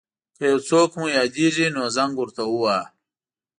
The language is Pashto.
که یو څوک مو یاديږي نو زنګ ورته وواهه.